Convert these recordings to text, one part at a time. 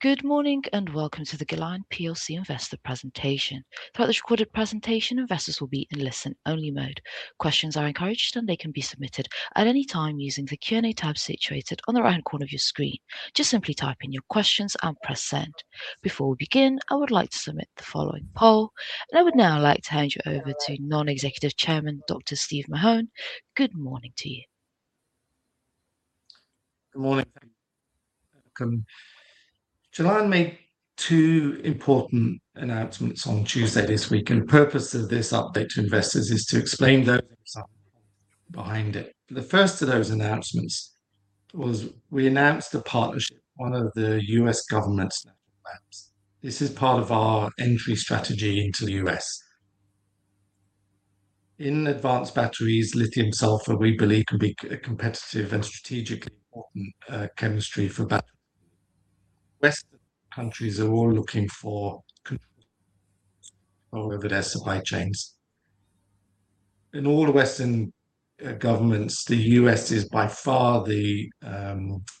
Good morning and welcome to the Gelion plc Investor Presentation. Throughout this recorded presentation, investors will be in listen only mode. Questions are encouraged, and they can be submitted at any time using the Q&A tab situated on the right-hand corner of your screen. Just simply type in your questions and press send. Before we begin, I would like to submit the following poll. I would now like to hand you over to Non-Executive Chairman, Dr. Steve Mahon. Good morning to you. Good morning. Welcome. Gelion made two important announcements on Tuesday this week. The purpose of this update to investors is to explain those and the thinking behind it. The first of those announcements was we announced a partnership with one of the U.S. government's national labs. This is part of our entry strategy into the U.S. In advanced batteries, lithium sulfur, we believe, can be a competitive and strategically important chemistry for batteries. Western countries are all looking for control over their supply chains. In all the Western governments, the U.S. is by far the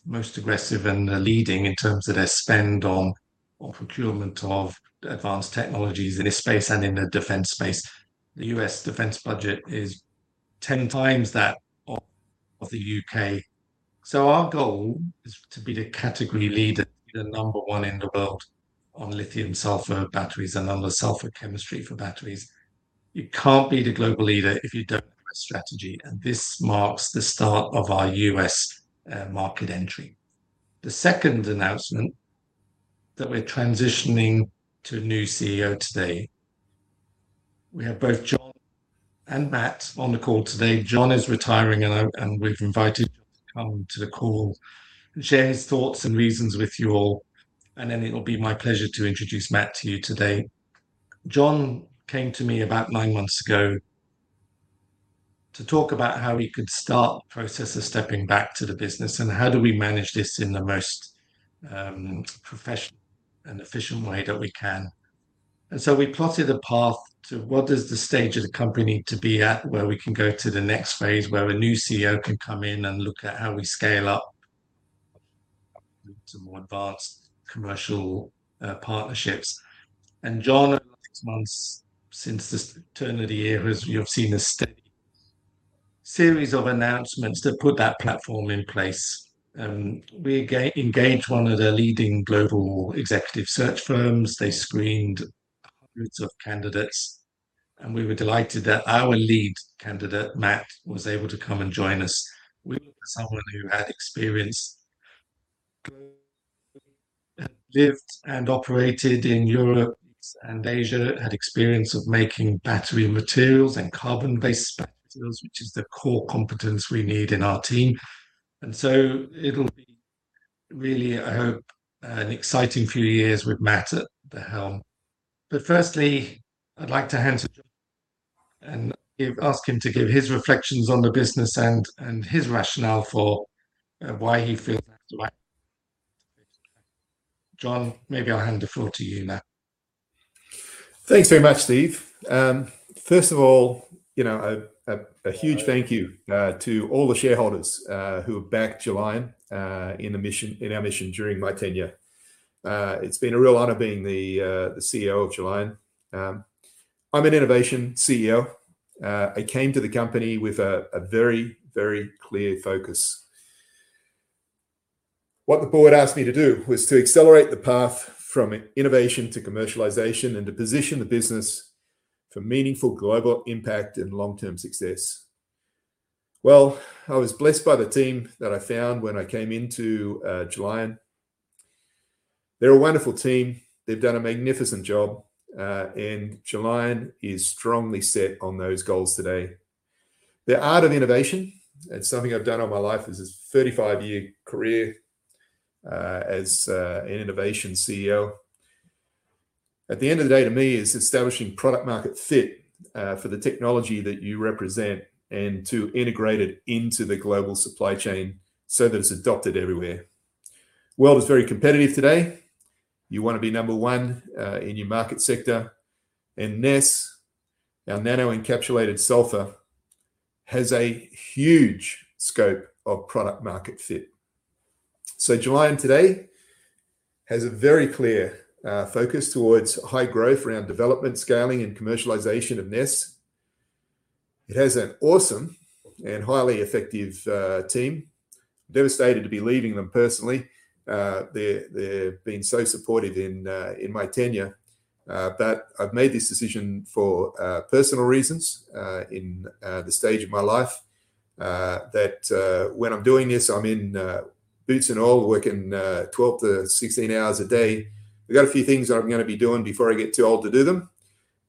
most aggressive and the leading in terms of their spend on procurement of advanced technologies in this space and in the defense space. The U.S. defense budget is 10x that of the U.K. Our goal is to be the category leader, be the number one in the world on lithium sulfur batteries and other sulfur chemistry for batteries. You can't be the global leader if you don't have a strategy. This marks the start of our U.S. market entry. The second announcement, that we're transitioning to a new CEO today. We have both John and Matt on the call today. John is retiring. We've invited him to come to the call and share his thoughts and reasons with you all. Then it'll be my pleasure to introduce Matt to you today. John came to me about nine months ago to talk about how he could start the process of stepping back to the business. How do we manage this in the most professional and efficient way that we can. We plotted a path to what does the stage of the company need to be at where we can go to the next phase where a new CEO can come in and look at how we scale up to more advanced commercial partnerships. John, in the last months since the turn of the year, as you have seen, a steady series of announcements that put that platform in place. We engaged one of the leading global executive search firms. They screened hundreds of candidates. We were delighted that our lead candidate, Matt, was able to come and join us. We were looking for someone who had experience globally and lived and operated in Europe and Asia, had experience of making battery materials and carbon-based battery materials, which is the core competence we need in our team. It'll be really, I hope, an exciting few years with Matt at the helm. Firstly, I'd like to hand to John and ask him to give his reflections on the business and his rationale for why he feels now is the right time to transition. John, maybe I'll hand the floor to you now. Thanks very much, Steve. First of all, a huge thank you to all the shareholders who have backed Gelion in our mission during my tenure. It's been a real honor being the CEO of Gelion. I'm an innovation CEO. I came to the company with a very clear focus. What the board asked me to do was to accelerate the path from innovation to commercialization, and to position the business for meaningful global impact and long-term success. Well, I was blessed by the team that I found when I came into Gelion. They're a wonderful team. They've done a magnificent job. Gelion is strongly set on those goals today. The art of innovation, it's something I've done all my life. This is a 35-year career, as an innovation CEO. At the end of the day, to me, it's establishing product market fit for the technology that you represent and to integrate it into the global supply chain so that it's adopted everywhere. World is very competitive today. You want to be number one in your market sector, NES, our Nano-Encapsulated Sulfur, has a huge scope of product market fit. Gelion today has a very clear focus towards high growth around development, scaling, and commercialization of NES. It has an awesome and highly effective team. Devastated to be leaving them personally. They've been so supportive in my tenure. I've made this decision for personal reasons, in the stage of my life, that when I'm doing this, I'm in boots and all, working 12-16 hours a day. I've got a few things that I'm going to be doing before I get too old to do them.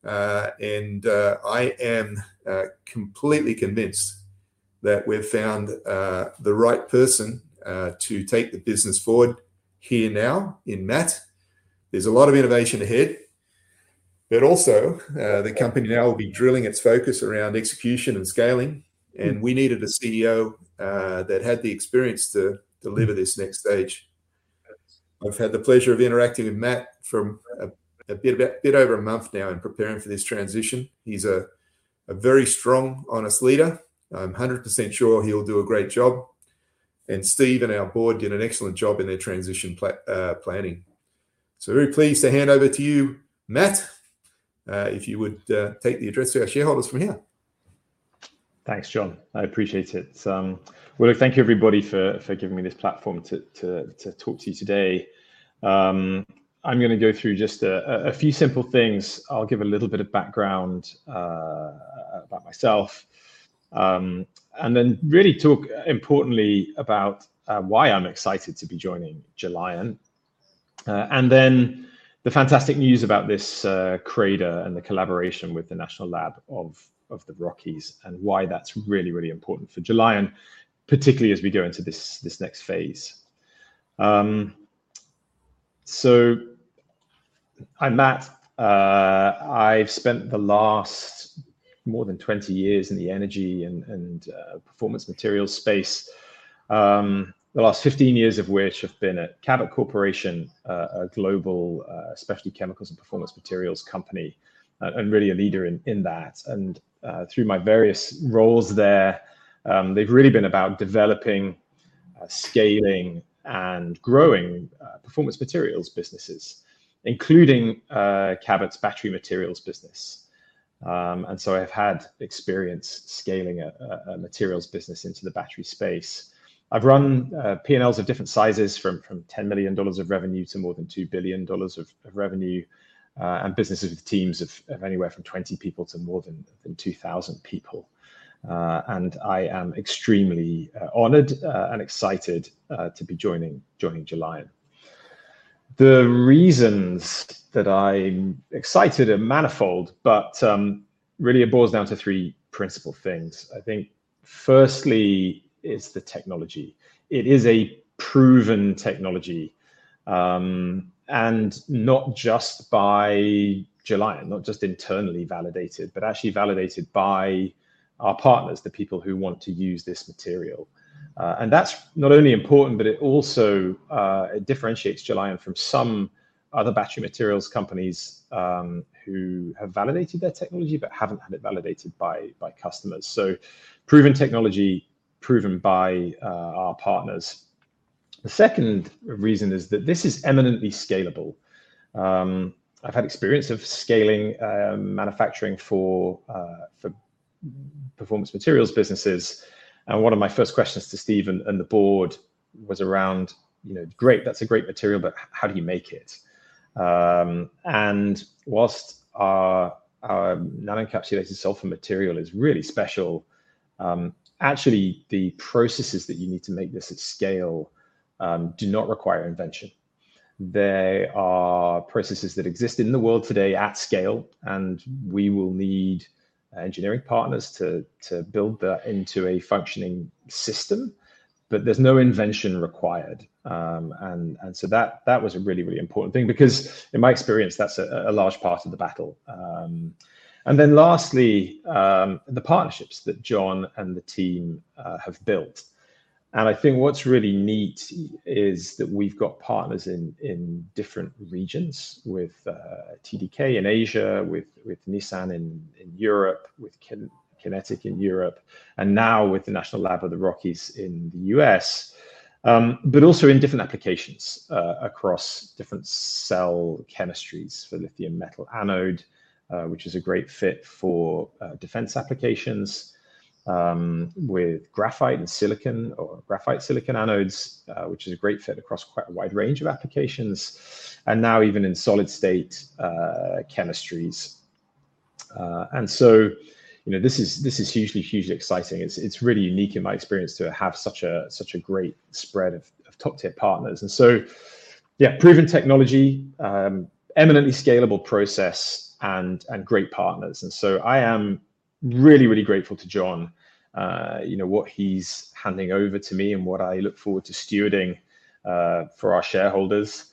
I am completely convinced that we've found the right person to take the business forward here now in Matt. There's a lot of innovation ahead, also, the company now will be drilling its focus around execution and scaling, and we needed a CEO that had the experience to deliver this next stage. I've had the pleasure of interacting with Matt for a bit over a month now in preparing for this transition. He's a very strong, honest leader. I'm 100% sure he'll do a great job, and Steve and our board did an excellent job in their transition planning. Very pleased to hand over to you, Matt, if you would take the address to our shareholders from here. Thanks, John. I appreciate it. Thank you, everybody, for giving me this platform to talk to you today. I am going to go through just a few simple things. I will give a little bit of background about myself, then really talk importantly about why I am excited to be joining Gelion. The fantastic news about this CRADA and the collaboration with the National Lab of the Rockies, and why that is really, really important for Gelion, particularly as we go into this next phase. I am Matt. I have spent the last more than 20 years in the energy and performance materials space. The last 15 years of which have been at Cabot Corporation, a global specialty chemicals and performance materials company, and really a leader in that. Through my various roles there, they have really been about developing, scaling, and growing performance materials businesses, including Cabot's battery materials business. I have had experience scaling a materials business into the battery space. I have run P&Ls of different sizes from $10 million of revenue to more than $2 billion of revenue, and businesses with teams of anywhere from 20 people to more than 2,000 people. I am extremely honored and excited to be joining Gelion. The reasons that I am excited are manifold, really it boils down to three principal things, I think. Firstly, it is the technology. It is a proven technology, not just by Gelion, not just internally validated, actually validated by our partners, the people who want to use this material. That is not only important, it also differentiates Gelion from some other battery materials companies who have validated their technology have not had it validated by customers. Proven technology, proven by our partners. The second reason is that this is eminently scalable. I have had experience of scaling manufacturing for performance materials businesses. One of my first questions to Steve and the board was around, "Great, that is a great material, how do you make it?" Whilst our Nano-Encapsulated Sulfur material is really special, actually, the processes that you need to make this at scale do not require invention. They are processes that exist in the world today at scale, we will need engineering partners to build that into a functioning system, there is no invention required. That was a really, really important thing because in my experience, that is a large part of the battle. Lastly, the partnerships that John and the team have built. I think what is really neat is that we have got partners in different regions with TDK in Asia, with Nissan in Europe, with QinetiQ in Europe, with the National Lab of the Rockies in the U.S., also in different applications, across different cell chemistries for lithium metal anode, which is a great fit for defense applications, with graphite silicon anodes, which is a great fit across quite a wide range of applications. Now even in solid-state chemistries. This is hugely exciting. It is really unique in my experience to have such a great spread of top-tier partners. Proven technology, eminently scalable process, great partners. I am really, really grateful to John. What he's handing over to me and what I look forward to stewarding for our shareholders.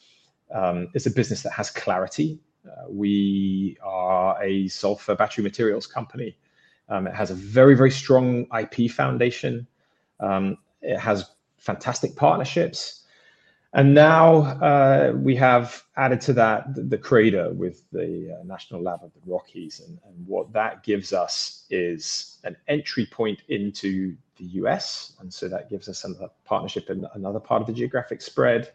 It's a business that has clarity. We are a sulfur battery materials company. It has a very, very strong IP foundation. It has fantastic partnerships. Now, we have added to that the CRADA with the National Lab of the Rockies. What that gives us is an entry point into the U.S., that gives us a partnership in another part of the geographic spread,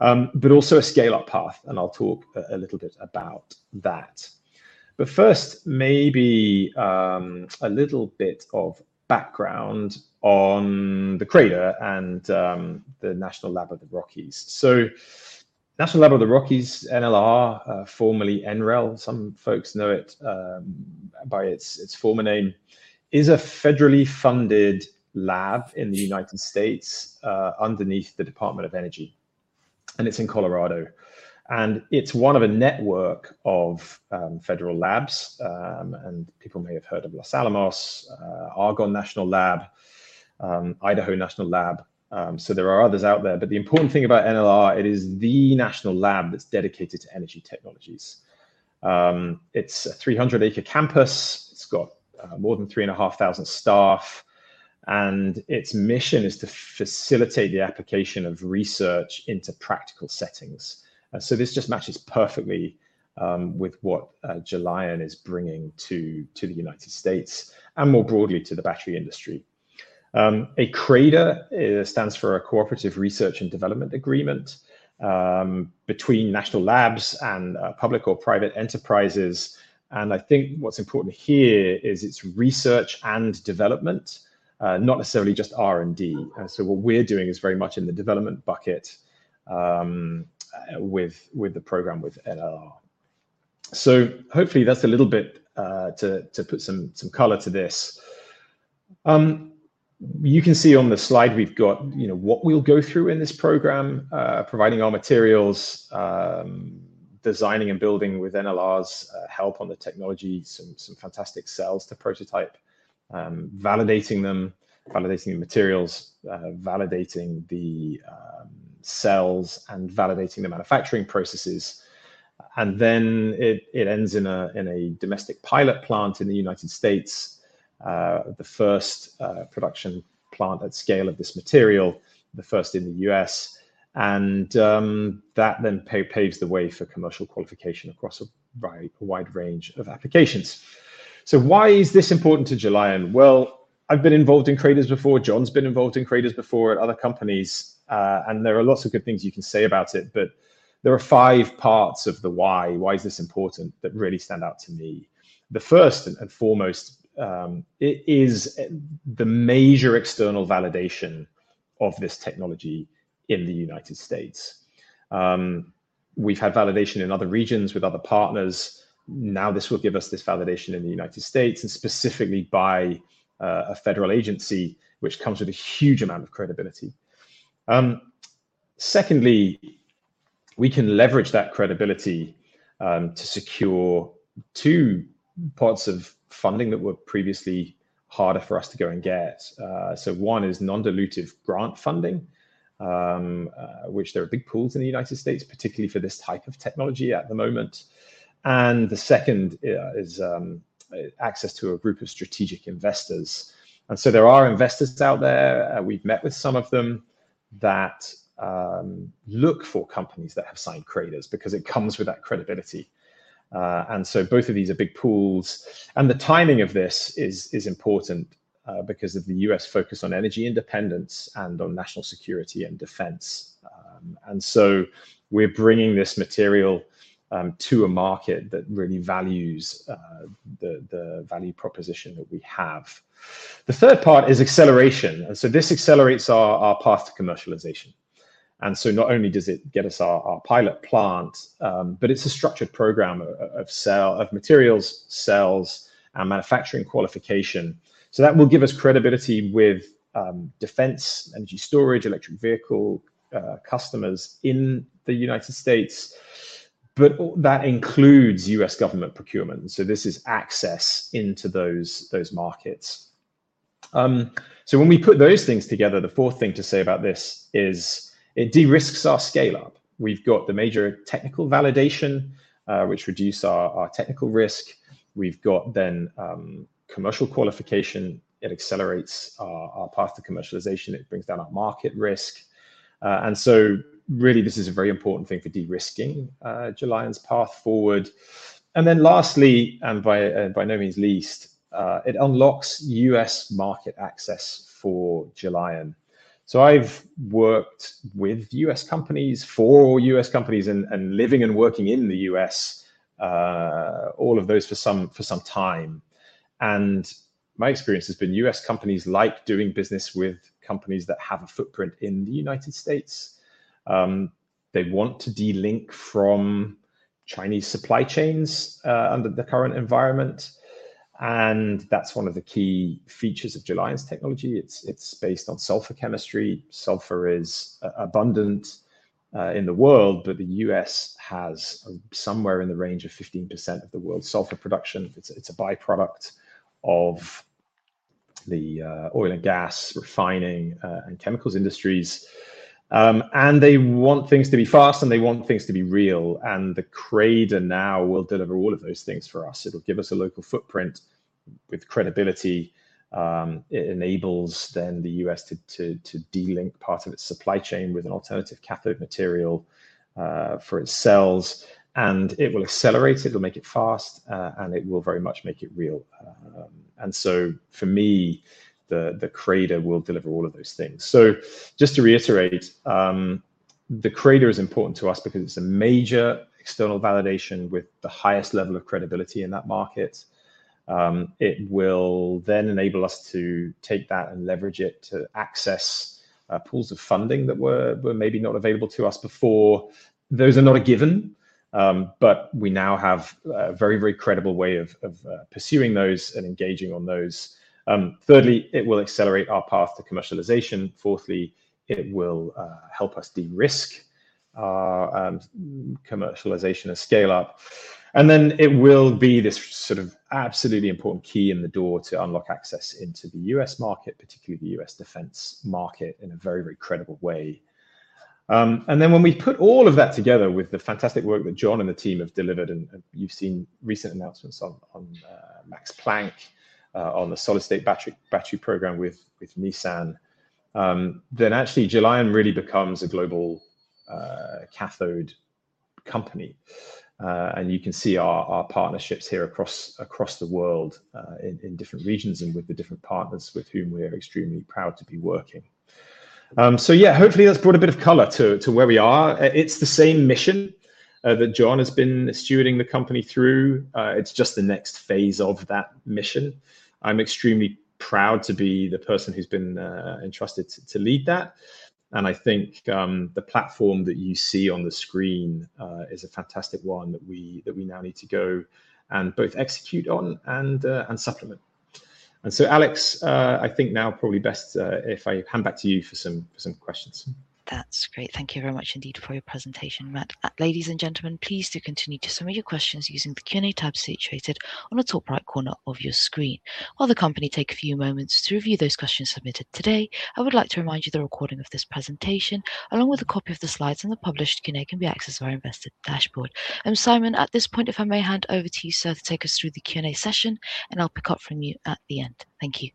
but also a scale-up path. I'll talk a little bit about that. First, maybe a little bit of background on the CRADA and the National Lab of the Rockies. National Lab of the Rockies, NLR, formerly NREL, some folks know it by its former name, is a federally funded lab in the United States, underneath the Department of Energy, it's in Colorado. It's one of a network of federal labs, people may have heard of Los Alamos, Argonne National Lab, Idaho National Lab. There are others out there, but the important thing about NLR, it is the National Lab that's dedicated to energy technologies. It's a 300-acre campus. It's got more than 3,500 staff. Its mission is to facilitate the application of research into practical settings. This just matches perfectly with what Gelion is bringing to the United States and more broadly to the battery industry. A CRADA stands for a Cooperative Research and Development Agreement between national labs and public or private enterprises. I think what's important here is it's research and development, not necessarily just R&D. What we're doing is very much in the development bucket with the program with NLR. Hopefully that's a little bit to put some color to this. You can see on the slide we've got what we'll go through in this program, providing our materials, designing and building with NLR's help on the technology, some fantastic cells to prototype, validating them, validating the materials, validating the cells, and validating the manufacturing processes. Then it ends in a domestic pilot plant in the United States, the first production plant at scale of this material, the first in the U.S. That then paves the way for commercial qualification across a wide range of applications. Why is this important to Gelion? Well, I've been involved in CRADAs before. John's been involved in CRADAs before at other companies. There are lots of good things you can say about it, but there are five parts of the why is this important, that really stand out to me. The first and foremost is the major external validation of this technology in the United States. We've had validation in other regions with other partners. This will give us this validation in the United States and specifically by a federal agency, which comes with a huge amount of credibility. Secondly, we can leverage that credibility to secure two parts of funding that were previously harder for us to go and get. One is non-dilutive grant funding, which there are big pools in the United States, particularly for this type of technology at the moment. The second is access to a group of strategic investors. There are investors out there, we've met with some of them, that look for companies that have signed CRADAs because it comes with that credibility. Both of these are big pools. The timing of this is important because of the U.S. focus on energy independence and on national security and defense. We're bringing this material to a market that really values the value proposition that we have. The third part is acceleration. This accelerates our path to commercialization. Not only does it get us our pilot plant, but it's a structured program of materials, cells, and manufacturing qualification. That will give us credibility with defense, energy storage, electric vehicle customers in the United States, but that includes U.S. government procurement. This is access into those markets. When we put those things together, the fourth thing to say about this is it de-risks our scale up. We've got the major technical validation, which reduce our technical risk. We've got then commercial qualification. It accelerates our path to commercialization. It brings down our market risk. Really this is a very important thing for de-risking Gelion's path forward. Lastly, and by no means least, it unlocks U.S. market access for Gelion. I've worked with U.S. companies, for U.S. companies, and living and working in the U.S., all of those for some time. My experience has been U.S. companies like doing business with companies that have a footprint in the United States. They want to de-link from Chinese supply chains under the current environment. That's one of the key features of Gelion's technology. It's based on sulfur chemistry. Sulfur is abundant in the world, but the U.S. has somewhere in the range of 15% of the world's sulfur production. It's a by-product of the oil and gas refining and chemicals industries. They want things to be fast, and they want things to be real. The CRADA now will deliver all of those things for us. It'll give us a local footprint with credibility. It enables then the U.S. to de-link part of its supply chain with an alternative cathode material for its cells. It will accelerate it. It'll make it fast, and it will very much make it real. For me, the CRADA will deliver all of those things. Just to reiterate, the CRADA is important to us because it's a major external validation with the highest level of credibility in that market. It will then enable us to take that and leverage it to access pools of funding that were maybe not available to us before. Those are not a given, but we now have a very credible way of pursuing those and engaging on those. Thirdly, it will accelerate our path to commercialization. Fourthly, it will help us de-risk our commercialization and scale up. It will be this sort of absolutely important key in the door to unlock access into the U.S. market, particularly the U.S. defense market, in a very credible way. When we put all of that together with the fantastic work that John and the team have delivered, and you've seen recent announcements on Max Planck, on the solid-state battery program with Nissan, then actually Gelion really becomes a global cathode company. You can see our partnerships here across the world, in different regions and with the different partners with whom we are extremely proud to be working. Yeah, hopefully that's brought a bit of color to where we are. It's the same mission that John has been stewarding the company through. It's just the next phase of that mission. I'm extremely proud to be the person who's been entrusted to lead that. I think the platform that you see on the screen is a fantastic one that we now need to go and both execute on and supplement. Alex, I think now probably best if I hand back to you for some questions. That's great. Thank you very much indeed for your presentation, Matt. Ladies and gentlemen, please do continue to submit your questions using the Q&A tab situated on the top right corner of your screen. While the company take a few moments to review those questions submitted today, I would like to remind you the recording of this presentation, along with a copy of the slides and the published Q&A can be accessed on our investor dashboard. Simon, at this point if I may hand over to you, sir, to take us through the Q&A session, and I'll pick up from you at the end. Thank you.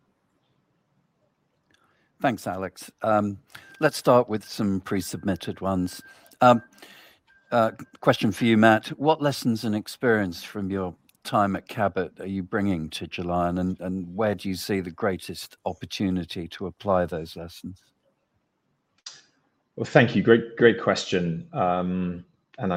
Thanks, Alex. Let's start with some pre-submitted ones. Question for you, Matt. What lessons and experience from your time at Cabot are you bringing to Gelion, and where do you see the greatest opportunity to apply those lessons? Well, thank you. Great question. I'm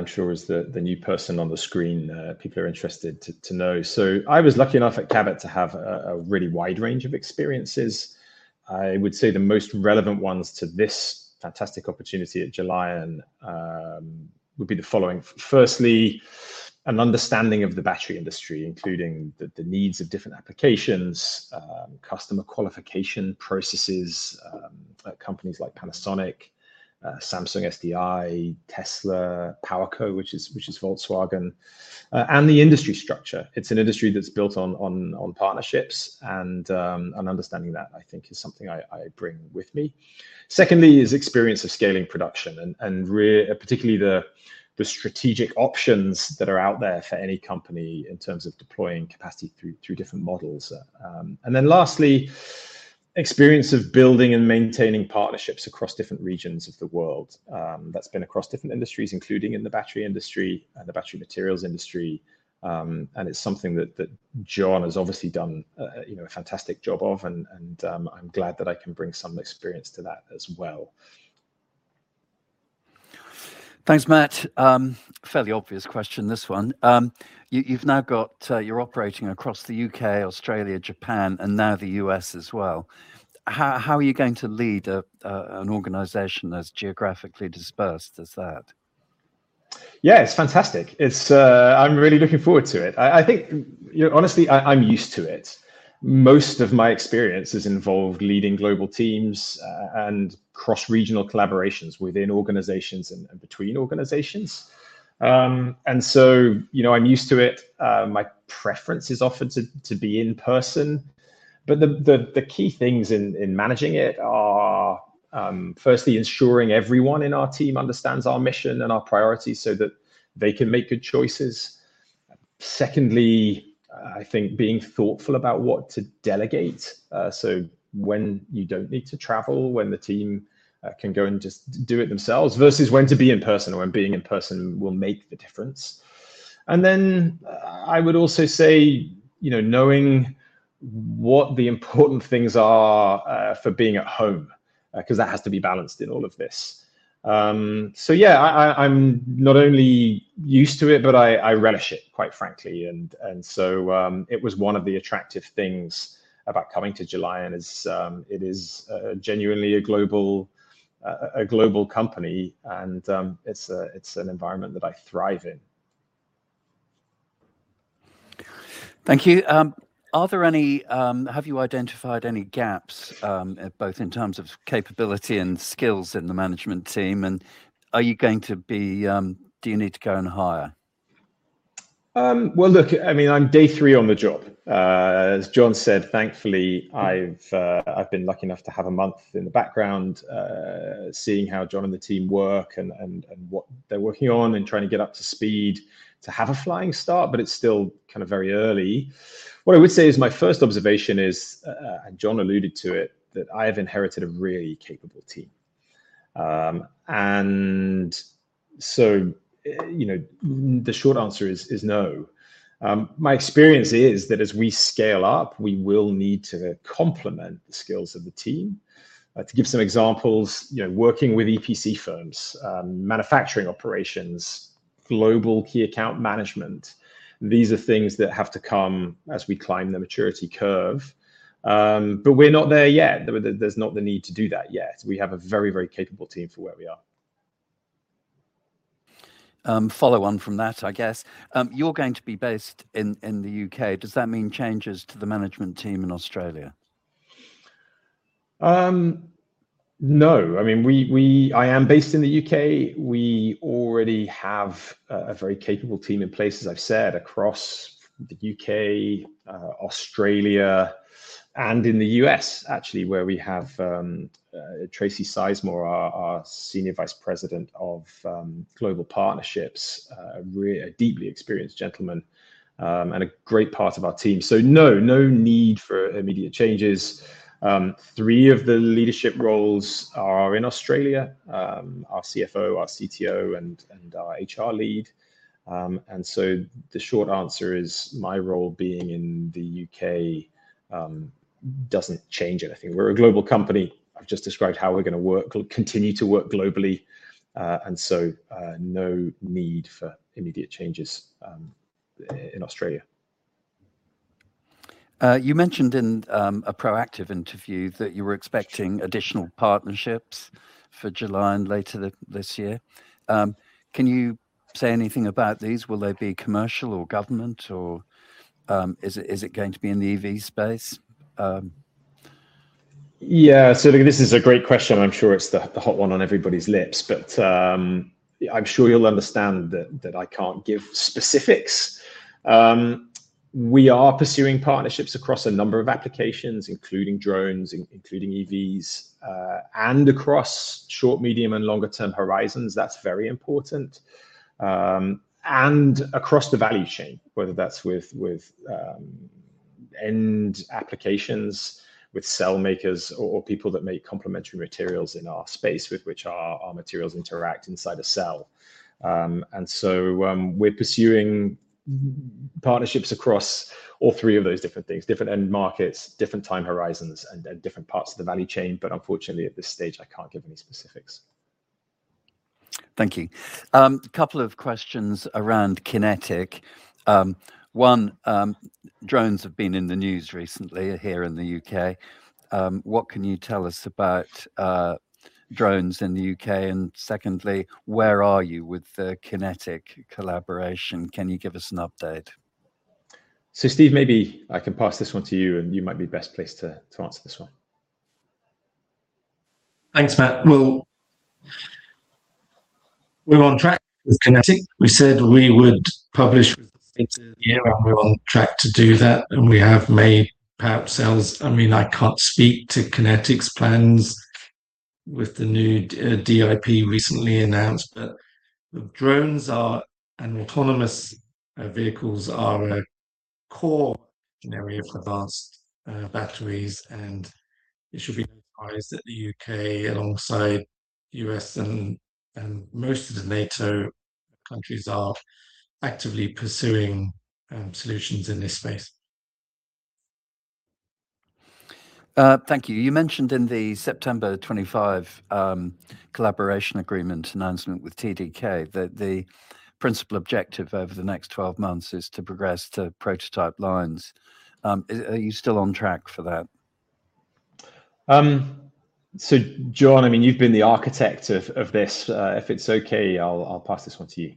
sure as the new person on the screen, people are interested to know. I was lucky enough at Cabot to have a really wide range of experiences. I would say the most relevant ones to this fantastic opportunity at Gelion would be the following. Firstly, an understanding of the battery industry, including the needs of different applications, customer qualification processes, companies like Panasonic, Samsung SDI, Tesla, PowerCo, which is Volkswagen, and the industry structure. It's an industry that's built on partnerships and understanding that I think is something I bring with me. Secondly is experience of scaling production and particularly the strategic options that are out there for any company in terms of deploying capacity through different models. Lastly, experience of building and maintaining partnerships across different regions of the world. That's been across different industries, including in the battery industry and the battery materials industry, and it's something that John has obviously done a fantastic job of, and I'm glad that I can bring some experience to that as well. Thanks, Matt. Fairly obvious question, this one. You're operating across the U.K., Australia, Japan, and now the U.S. as well. How are you going to lead an organization as geographically dispersed as that? Yeah, it's fantastic. I'm really looking forward to it. I think, honestly, I'm used to it. Most of my experiences involve leading global teams and cross-regional collaborations within organizations and between organizations. I'm used to it. My preference is often to be in person, but the key things in managing it are, firstly ensuring everyone in our team understands our mission and our priorities so that they can make good choices. Secondly, I think being thoughtful about what to delegate, so when you don't need to travel, when the team can go and just do it themselves, versus when to be in person or when being in person will make the difference. I would also say knowing what the important things are for being at home, because that has to be balanced in all of this. Yeah, I'm not only used to it, but I relish it, quite frankly. It was one of the attractive things about coming to Gelion is, it is genuinely a global company and it's an environment that I thrive in. Thank you. Have you identified any gaps, both in terms of capability and skills in the management team, do you need to go and hire? Well, look, I'm day three on the job. As John said, thankfully, I've been lucky enough to have a month in the background, seeing how John and the team work and what they're working on and trying to get up to speed to have a flying start, it's still kind of very early. What I would say is my first observation is, John alluded to it, that I have inherited a really capable team. The short answer is no. My experience is that as we scale up, we will need to complement the skills of the team. To give some examples, working with EPC firms, manufacturing operations, global key account management. These are things that have to come as we climb the maturity curve. We're not there yet. There's not the need to do that yet. We have a very capable team for where we are. Follow on from that, I guess. You're going to be based in the U.K. Does that mean changes to the management team in Australia? No. I am based in the U.K. We already have a very capable team in place, as I've said, across the U.K., Australia, and in the U.S., actually, where we have Tracy Sizemore, our Senior Vice President of Global Partnerships. A deeply experienced gentleman, and a great part of our team. No need for immediate changes. Three of the leadership roles are in Australia. Our CFO, our CTO, and our HR lead. The short answer is, my role being in the U.K. doesn't change anything. We're a global company. I've just described how we're going to continue to work globally, no need for immediate changes in Australia. You mentioned in a proactive interview that you were expecting additional partnerships for July and later this year. Can you say anything about these? Will they be commercial or government, or is it going to be in the EV space? Yeah. Look, this is a great question. I'm sure it's the hot one on everybody's lips. I'm sure you'll understand that I can't give specifics. We are pursuing partnerships across a number of applications, including drones, including EVs, and across short, medium, and longer term horizons. That's very important. Across the value chain, whether that's with end applications, with cell makers or people that make complementary materials in our space with which our materials interact inside a cell. We're pursuing partnerships across all three of those different things, different end markets, different time horizons, and different parts of the value chain. Unfortunately, at this stage, I can't give any specifics. Thank you. Couple of questions around QinetiQ. One, drones have been in the news recently here in the U.K. What can you tell us about drones in the U.K.? Secondly, where are you with the QinetiQ collaboration? Can you give us an update? Steve, maybe I can pass this one to you, and you might be best placed to answer this one. Thanks, Matt. We're on track with QinetiQ. We said we would publish by the end of the year, and we're on track to do that, and we have made perhaps sales. I can't speak to QinetiQ's plans with the new DIP recently announced, but drones are, and autonomous vehicles are a core area for advanced batteries, and it should be no surprise that the U.K., alongside U.S. and most of the NATO countries, are actively pursuing solutions in this space. Thank you. You mentioned in the September 25 collaboration agreement announcement with TDK that the principal objective over the next 12 months is to progress to prototype lines. Are you still on track for that? John, you've been the architect of this. If it's okay, I'll pass this one to you.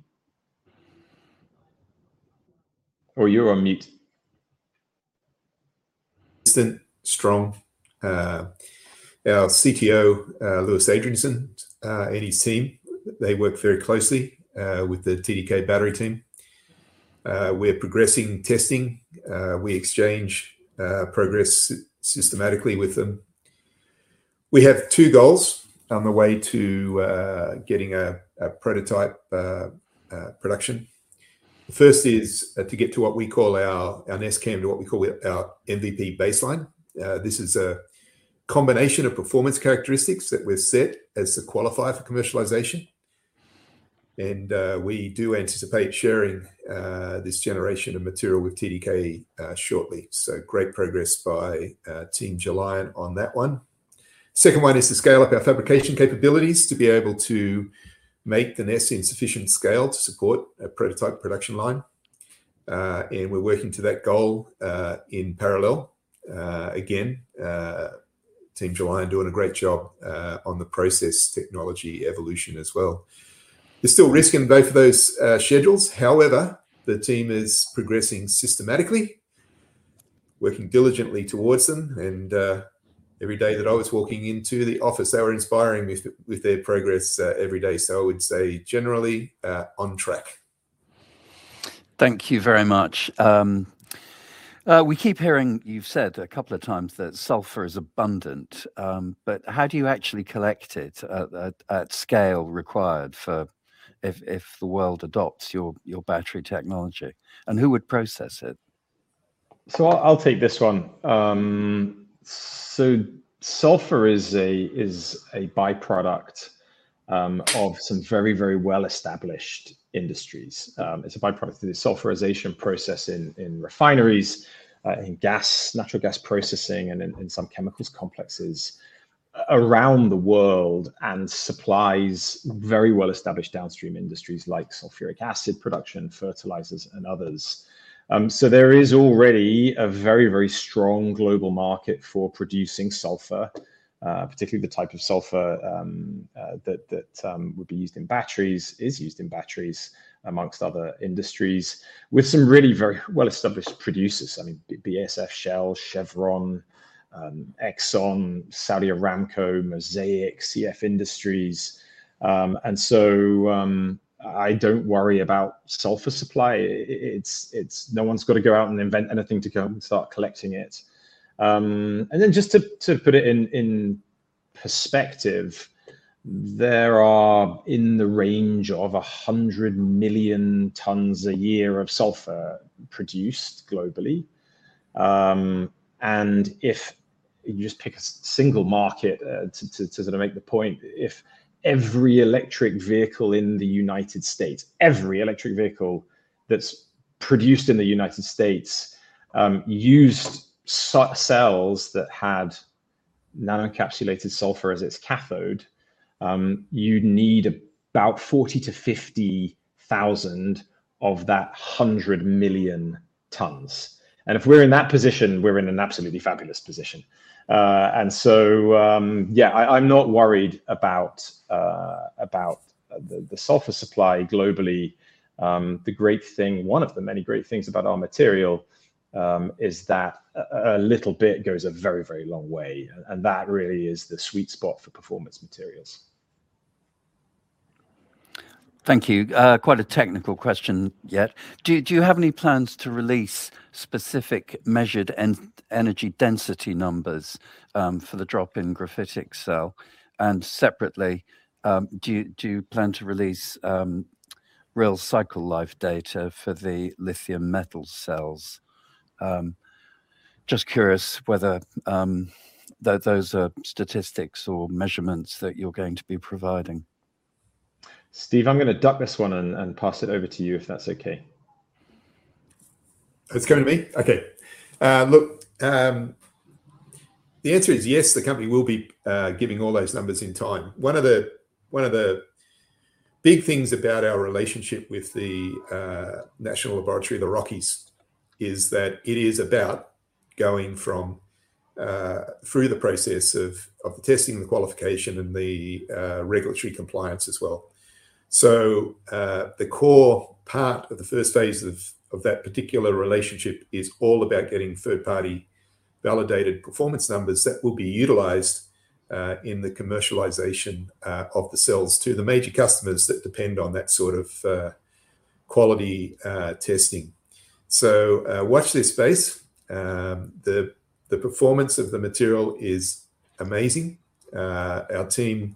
Oh, you're on mute. Strong. Our CTO, Louis Adriaenssens, and his team, they work very closely with the TDK battery team. We're progressing testing. We exchange progress systematically with them. We have two goals on the way to getting a prototype production. The first is to get to what we call our NES CAM, to what we call our MVP baseline. This is a combination of performance characteristics that we've set as to qualify for commercialization, and we do anticipate sharing this generation of material with TDK shortly. Great progress by team Gelion on that one. Second one is to scale up our fabrication capabilities to be able to make the NES in sufficient scale to support a prototype production line. We're working to that goal in parallel. Again, team Gelion doing a great job on the process technology evolution as well. There's still risk in both of those schedules. The team is progressing systematically, working diligently towards them, and every day that I was walking into the office, they were inspiring me with their progress every day. I would say generally on track. Thank you very much. We keep hearing, you've said a couple of times that sulfur is abundant. How do you actually collect it at scale required if the world adopts your battery technology, and who would process it? I'll take this one. Sulfur is a byproduct of some very, very well-established industries. It's a byproduct of the desulfurization process in refineries, in natural gas processing, and in some chemicals complexes around the world, and supplies very well-established downstream industries like sulfuric acid production, fertilizers, and others. There is already a very, very strong global market for producing sulfur, particularly the type of sulfur that would be used in batteries, is used in batteries amongst other industries with some really very well-established producers. I mean, BASF, Shell, Chevron, Exxon, Saudi Aramco, Mosaic, CF Industries. I don't worry about sulfur supply. No one's got to go out and invent anything to go and start collecting it. Just to put it in perspective, there are in the range of 100 million tons a year of sulfur produced globally. If you just pick a single market to make the point, if every electric vehicle in the United States, every electric vehicle that's produced in the United States, used cells that had Nano-Encapsulated Sulfur as its cathode, you'd need about 40,000 tons-50,000 tons of that 100 million tons. If we're in that position, we're in an absolutely fabulous position. Yeah, I'm not worried about the sulfur supply globally. One of the many great things about our material is that a little bit goes a very, very long way, and that really is the sweet spot for performance materials. Thank you. Quite a technical question yet. Do you have any plans to release specific measured energy density numbers for the drop-in graphitic cell? Separately, do you plan to release real cycle life data for the lithium metal cells? Just curious whether those are statistics or measurements that you're going to be providing. Steve, I'm going to duck this one and pass it over to you if that's okay. It's coming to me? Okay. The answer is yes, the company will be giving all those numbers in time. One of the big things about our relationship with the National Laboratory of the Rockies is that it is about going through the process of the testing, the qualification, and the regulatory compliance as well. The core part of the first phase of that particular relationship is all about getting third-party validated performance numbers that will be utilized in the commercialization of the cells to the major customers that depend on that sort of quality testing. Watch this space. The performance of the material is amazing. Our team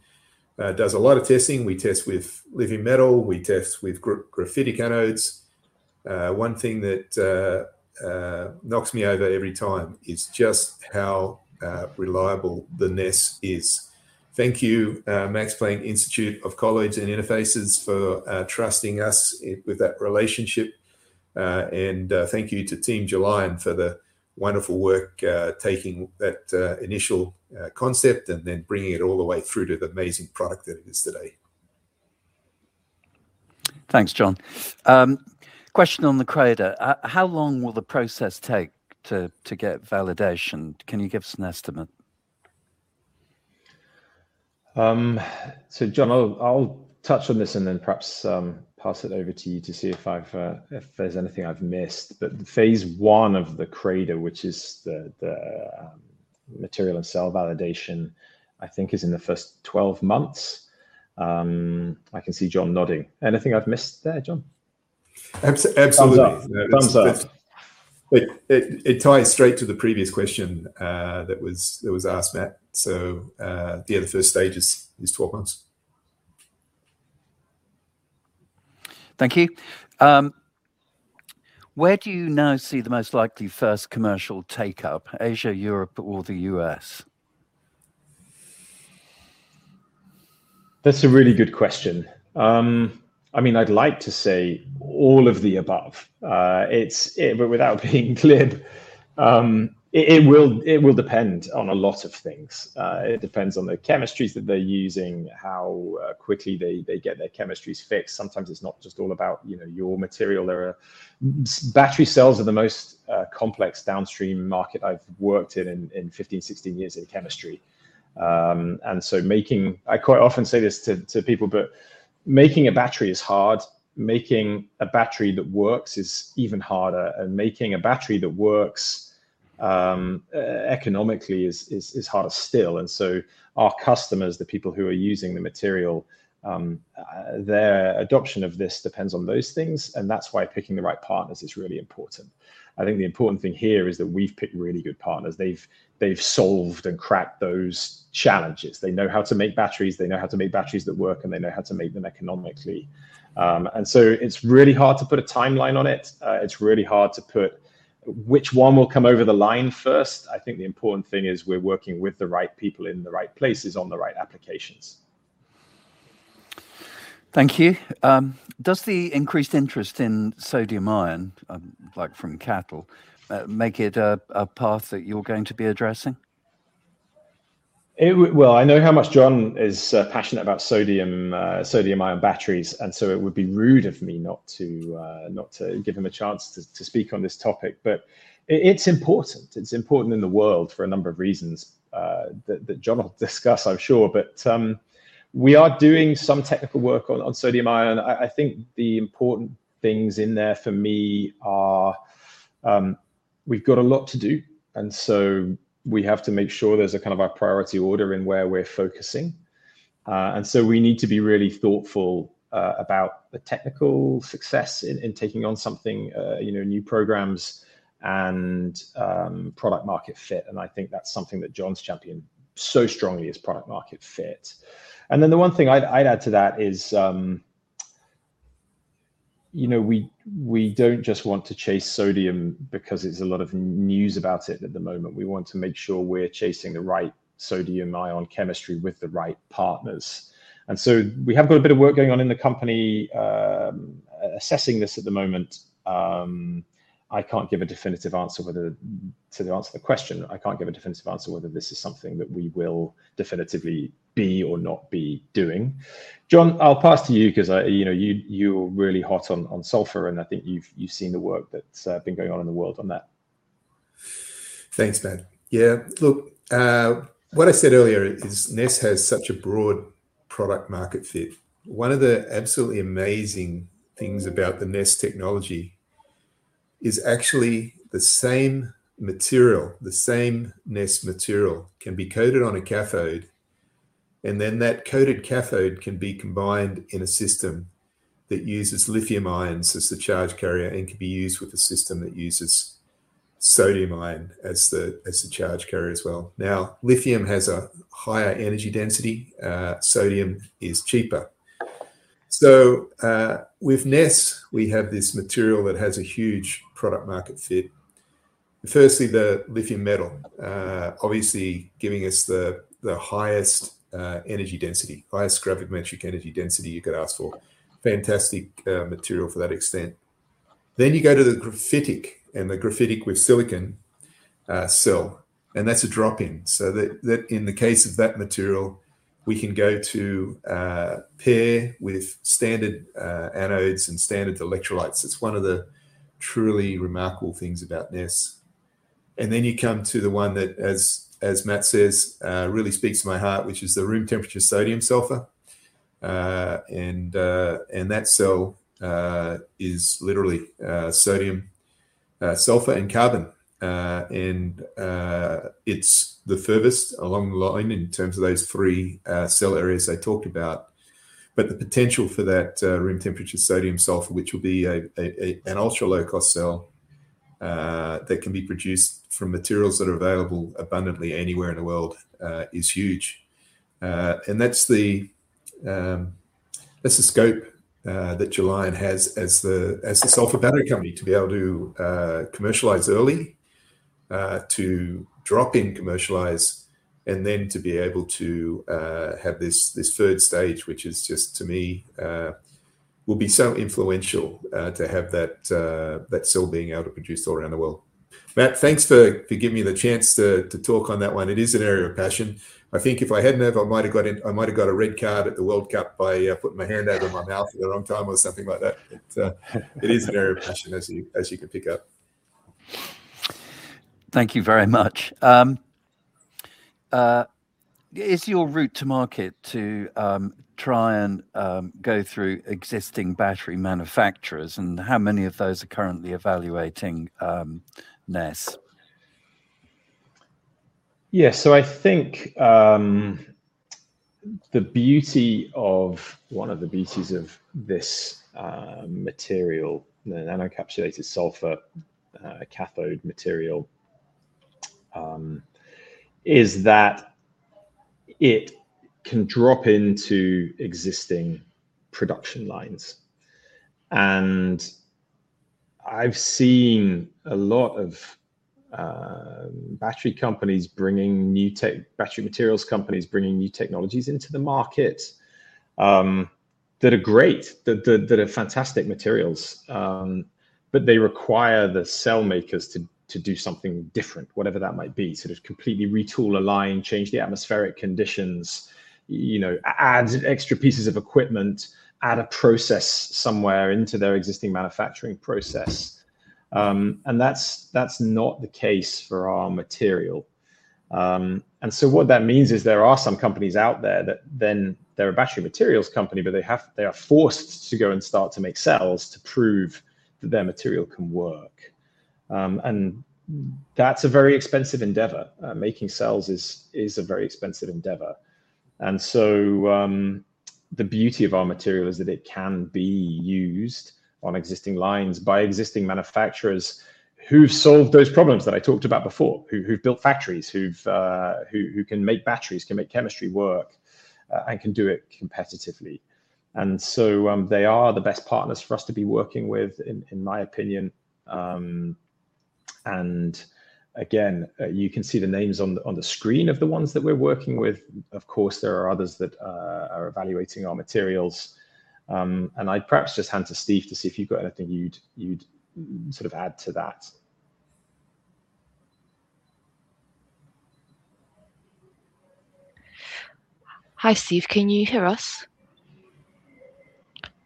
does a lot of testing. We test with lithium metal. We test with graphitic anodes. One thing that knocks me over every time is just how reliable the NES is. Thank you, Max Planck Institute of Colloids and Interfaces for trusting us with that relationship. Thank you to team Gelion for the wonderful work, taking that initial concept and then bringing it all the way through to the amazing product that it is today. Thanks, John. Question on the CRADA. How long will the process take to get validation? Can you give us an estimate? John, I'll touch on this and then perhaps pass it over to you to see if there's anything I've missed. The phase I of the CRADA, which is the material and cell validation, I think is in the first 12 months. I can see John nodding. Anything I've missed there, John? Absolutely. Thumbs up. It ties straight to the previous question that was asked, Matt. Yeah, the first stage is 12 months. Thank you. Where do you now see the most likely first commercial take up, Asia, Europe, or the U.S.? That's a really good question. I'd like to say all of the above. Without being glib, it will depend on a lot of things. It depends on the chemistries that they're using, how quickly they get their chemistries fixed. Sometimes it's not just all about your material. Battery cells are the most complex downstream market I've worked in in 15, 16 years in chemistry. Making I quite often say this to people, but making a battery is hard. Making a battery that works is even harder, and making a battery that works economically is harder still. Our customers, the people who are using the material, their adoption of this depends on those things, and that's why picking the right partners is really important. I think the important thing here is that we've picked really good partners. They've solved and cracked those challenges. They know how to make batteries. They know how to make batteries that work, and they know how to make them economically. It's really hard to put a timeline on it. It's really hard to put which one will come over the line first. I think the important thing is we're working with the right people in the right places on the right applications. Thank you. Does the increased interest in sodium-ion, like from CATL, make it a path that you're going to be addressing? I know how much John is passionate about sodium-ion batteries, it would be rude of me not to give him a chance to speak on this topic. It's important. It's important in the world for a number of reasons that John will discuss, I'm sure. We are doing some technical work on sodium-ion. I think the important things in there for me are, we've got a lot to do, we have to make sure there's a kind of a priority order in where we're focusing. We need to be really thoughtful about the technical success in taking on something, new programs and product market fit. I think that's something that John's championed so strongly is product market fit. The one thing I'd add to that is We don't just want to chase sodium because there's a lot of news about it at the moment. We want to make sure we're chasing the right sodium-ion chemistry with the right partners. We have got a bit of work going on in the company assessing this at the moment. To the answer the question, I can't give a definitive answer whether this is something that we will definitively be or not be doing. John, I'll pass to you because you're really hot on sulfur, I think you've seen the work that's been going on in the world on that. Thanks, Matt. What I said earlier is NES has such a broad product market fit. One of the absolutely amazing things about the NES technology is actually the same material, the same NES material can be coated on a cathode, then that coated cathode can be combined in a system that uses lithium ions as the charge carrier and can be used with a system that uses sodium-ion as the charge carrier as well. Now, lithium has a higher energy density. Sodium is cheaper. With NES, we have this material that has a huge product market fit. Firstly, the lithium metal, obviously giving us the highest energy density, highest gravimetric energy density you could ask for. Fantastic material for that extent. You go to the graphitic and the graphitic with silicon cell. That's a drop-in, so that in the case of that material, we can go to pair with standard anodes and standard electrolytes. It's one of the truly remarkable things about NES. Then you come to the one that, as Matt says, really speaks to my heart, which is the room temperature sodium-sulfur. That cell is literally sodium-sulfur and carbon. It's the furthest along the line in terms of those three cell areas I talked about. The potential for that room temperature sodium-sulfur, which will be an ultra-low-cost cell that can be produced from materials that are available abundantly anywhere in the world, is huge. That's the scope that Gelion has as the sulfur battery company to be able to commercialize early, to drop-in commercialize, and then to be able to have this third stage, which is just to me will be so influential to have that cell being able to produce all around the world. Matt, thanks for giving me the chance to talk on that one. It is an area of passion. I think if I hadn't have, I might've got a red card at the World Cup by putting my hand over my mouth at the wrong time or something like that. It is an area of passion, as you can pick up. Thank you very much. Is your route to market to try and go through existing battery manufacturers, and how many of those are currently evaluating NES? I think one of the beauties of this material, the Nano-Encapsulated Sulfur cathode material, is that it can drop into existing production lines. I've seen a lot of battery materials companies bringing new technologies into the market that are great, that are fantastic materials, but they require the cell makers to do something different, whatever that might be, sort of completely retool a line, change the atmospheric conditions, add extra pieces of equipment, add a process somewhere into their existing manufacturing process. That's not the case for our material. What that means is there are some companies out there that then they're a battery materials company, but they are forced to go and start to make cells to prove that their material can work. That's a very expensive endeavor. Making cells is a very expensive endeavor. The beauty of our material is that it can be used on existing lines by existing manufacturers who've solved those problems that I talked about before, who've built factories, who can make batteries, can make chemistry work, and can do it competitively. They are the best partners for us to be working with, in my opinion. Again, you can see the names on the screen of the ones that we're working with. Of course, there are others that are evaluating our materials. I'd perhaps just hand to Steve to see if you've got anything you'd sort of add to that. Hi, Steve, can you hear us?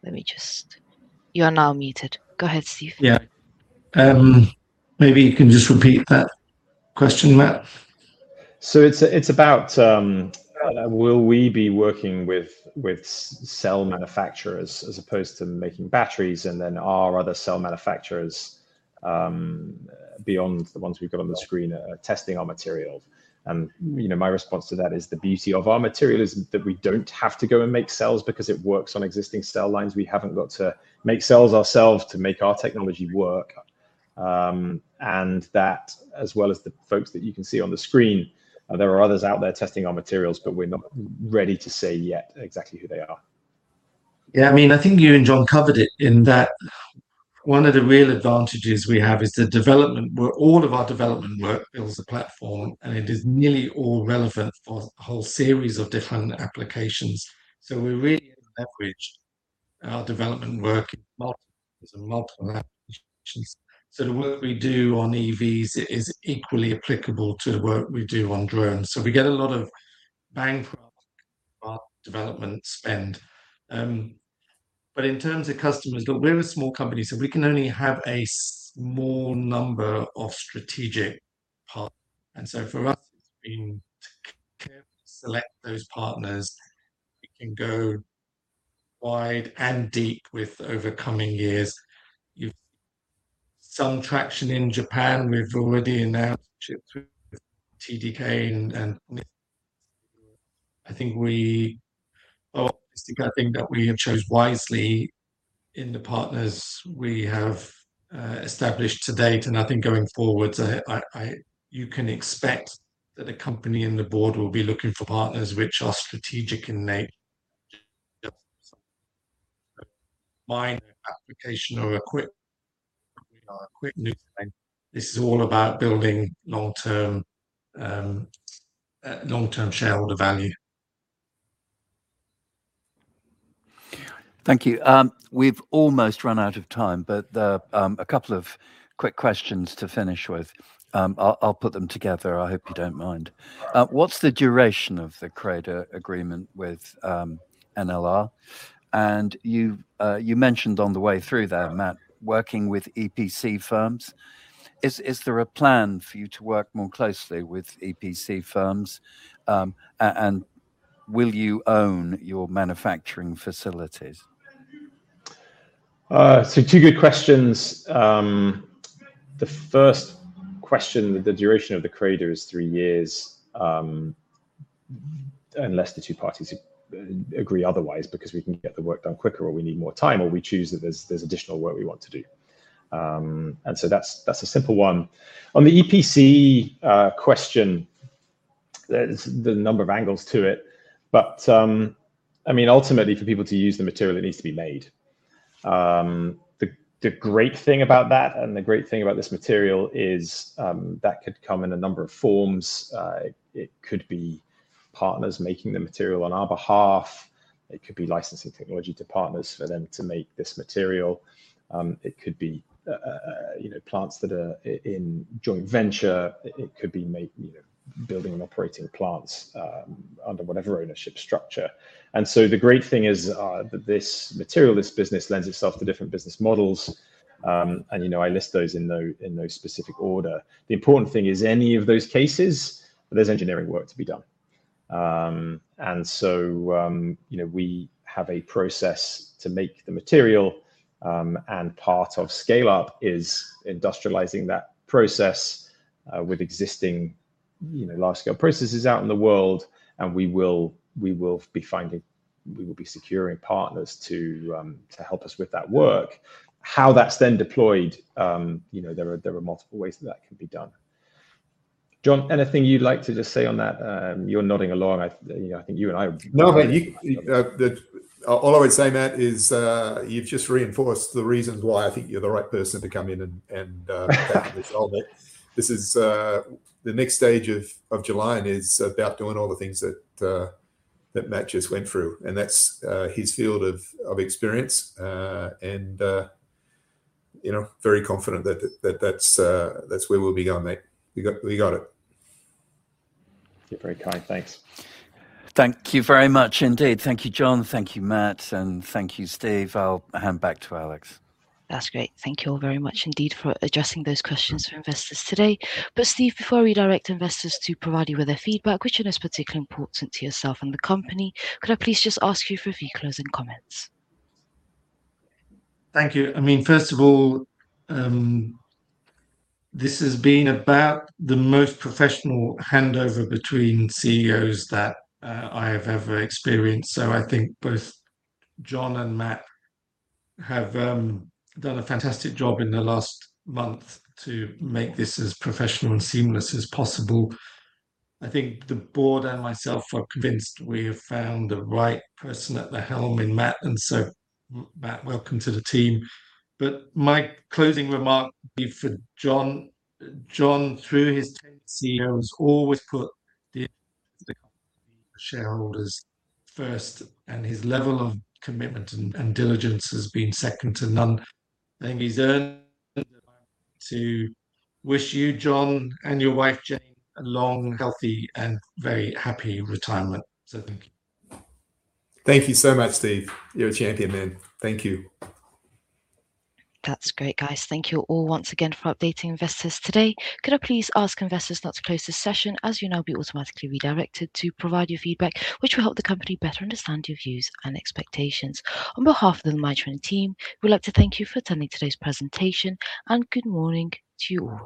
Let me just You are now muted. Go ahead, Steve. Yeah. Maybe you can just repeat that question, Matt. It's about will we be working with cell manufacturers as opposed to making batteries, and then are other cell manufacturers beyond the ones we've got on the screen are testing our materials. My response to that is the beauty of our material is that we don't have to go and make cells because it works on existing cell lines. We haven't got to make cells ourselves to make our technology work. That as well as the folks that you can see on the screen, there are others out there testing our materials, but we're not ready to say yet exactly who they are. Yeah, I think you and John covered it in that one of the real advantages we have is the development, where all of our development work builds the platform, and it is nearly all relevant for a whole series of different applications. We really leverage our development work in multiple ways and multiple applications. The work we do on EVs is equally applicable to the work we do on drones. We get a lot of bang for our development spend. In terms of customers, look, we're a small company, so we can only have a small number of strategic partners. For us, it's been to carefully select those partners, we can go wide and deep with over coming years. Some traction in Japan, we've already announced ships with TDK and I think that we have chose wisely in the partners we have established to date. I think going forward, you can expect that the company and the board will be looking for partners which are strategic in nature. Minor application or equipment. This is all about building long-term shareholder value. Thank you. We've almost run out of time, but a couple of quick questions to finish with. I'll put them together, I hope you don't mind. What's the duration of the CRADA agreement with NLR? You mentioned on the way through there, Matt, working with EPC firms, is there a plan for you to work more closely with EPC firms? Will you own your manufacturing facilities? Two good questions. The first question, the duration of the CRADA is three years, unless the two parties agree otherwise because we can get the work done quicker or we need more time, or we choose that there's additional work we want to do. That's a simple one. On the EPC question, there's the number of angles to it, but ultimately for people to use the material, it needs to be made. The great thing about that and the great thing about this material is that could come in a number of forms. It could be partners making the material on our behalf. It could be licensing technology to partners for them to make this material. It could be plants that are in joint venture. It could be building and operating plants under whatever ownership structure. The great thing is that this material, this business, lends itself to different business models. I list those in no specific order. The important thing is any of those cases, there's engineering work to be done. We have a process to make the material, and part of scale-up is industrializing that process with existing large-scale processes out in the world, and we will be securing partners to help us with that work. How that's then deployed, there are multiple ways that that can be done. John, anything you'd like to just say on that? You're nodding along. I think you and I have All I would say, Matt, is you've just reinforced the reasons why I think you're the right person to come in and this is the next stage of Gelion is about doing all the things that Matt just went through, and that's his field of experience. Very confident that that's where we'll be going, Matt. We got it. You're very kind. Thanks. Thank you very much indeed. Thank you, John. Thank you, Matt. Thank you, Steve. I'll hand back to Alex. That's great. Thank you all very much indeed for addressing those questions for investors today. Steve, before we direct investors to provide you with their feedback, which is particularly important to yourself and the company, could I please just ask you for a few closing comments? Thank you. First of all, this has been about the most professional handover between CEOs that I have ever experienced. I think both John and Matt have done a fantastic job in the last month to make this as professional and seamless as possible. I think the board and myself are convinced we have found the right person at the helm in Matt. Matt, welcome to the team. My closing remark would be for John. John, through his tenure as CEO, has always put the shareholders first, and his level of commitment and diligence has been second to none. To wish you, John, and your wife Jane, a long, healthy, and very happy retirement. Thank you. Thank you so much, Steve. You're a champion, man. Thank you. That's great, guys. Thank you all once again for updating investors today. Could I please ask investors now to close this session, as you'll now be automatically redirected to provide your feedback, which will help the company better understand your views and expectations. On behalf of the management team, we'd like to thank you for attending today's presentation, and good morning to you all.